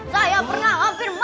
saya pernah hampir mati